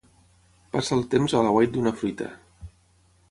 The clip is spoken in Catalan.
Passa el temps a l'aguait d'una fruita.